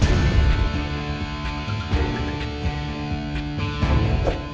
gak ada apa apa